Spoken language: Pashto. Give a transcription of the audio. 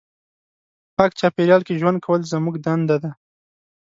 پاک چاپېریال کې ژوند کول زموږ دنده ده.